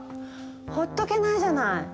ほっとけないじゃない？